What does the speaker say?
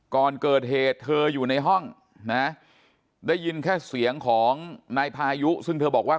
ก่อนเกิดเหตุเธออยู่ในห้องนะได้ยินแค่เสียงของนายพายุซึ่งเธอบอกว่า